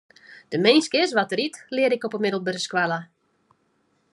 De minske is wat er yt, learde ik op 'e middelbere skoalle.